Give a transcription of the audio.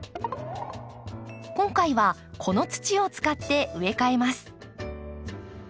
今回はこの土を使って植え替えます。